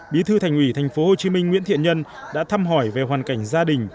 bí thư thành ủy tp hcm nguyễn thiện nhân đã thăm hỏi về hoàn cảnh gia đình